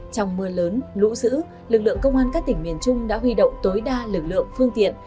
trong mưa lớn lũ dữ lực lượng công an các tỉnh miền trung đã huy động tối đa lực lượng phương tiện